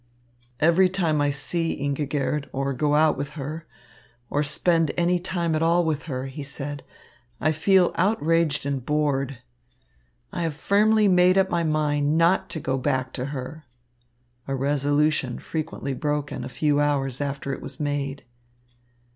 "Every time I see Ingigerd, or go out with her, or spend any time at all with her," he said, "I feel outraged and bored. I have firmly made up my mind not to go back to her." A resolution frequently broken a few hours after it was made.